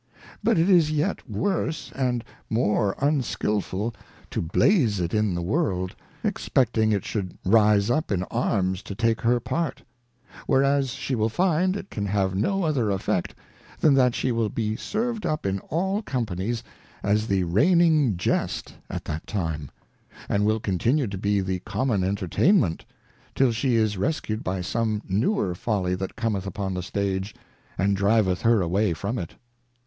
But it is yet worse, and more unskilful, to blaze it in the World, expecting it should rise up in Arms to take her part : Whereas she will find, it can have no other Effect, than that she will be served up in all Companies, as the reigning Jest at that time ; and will continue to be the common Entertainment, till she is rescu'd by some newer Folly that cometh upon the Stage, and driveth her away from it.